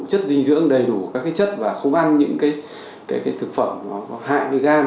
chất dinh dưỡng đầy đủ các chất và không ăn những cái thực phẩm nó hại với gan